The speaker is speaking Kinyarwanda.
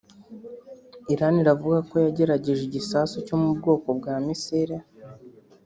Irani iravuga ko yagerageje igisasu cyo mu bwoko bwa misile